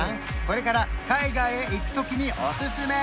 これから海外へ行く時におすすめ